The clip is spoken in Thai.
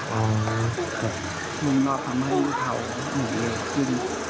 ลิ่งรอบทำให้เขาเหมือนเร็วขึ้น